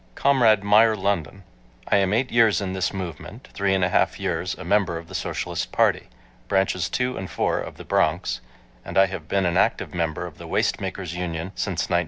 Comrade Meyer London: I am eight years in this movement, three and a half years a member of the Socialist Party, Branches 2 and 4 of the Bronx, and I have been an active member of the Waist Makers' Union since 1910.